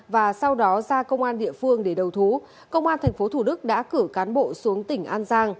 và sau đó ra công an địa phương để đầu thú công an tp thủ đức đã cử cán bộ xuống tỉnh an giang